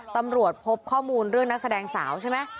ตำรวจพบข้อมูลเรื่องนักแสดงสาวใช่ไหม